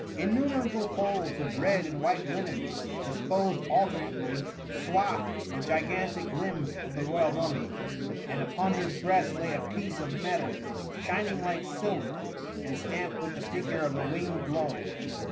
Innumerable folds of red and white linen, disposed alternately, swadied the gigantic limbs of the royal mummy; and upon his breast lay a piece of metal, shimng like silver, and stamped with the figure of a winged globe.